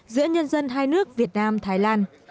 giữa nhân dân hai nước việt nam thái lan